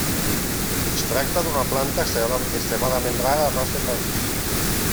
Es tracta d’una planta extremadament rara al nostre país.